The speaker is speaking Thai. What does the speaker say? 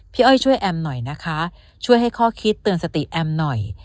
อ้อยช่วยแอมหน่อยนะคะช่วยให้ข้อคิดเตือนสติแอมหน่อย